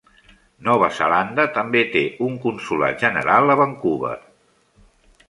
Nova Zelanda també té un consolat general a Vancouver.